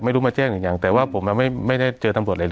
ไม่รู้มาแจ้งอีกอย่างแต่ว่าผมมันไม่ไม่ได้เจอตำรวจอะไรเลย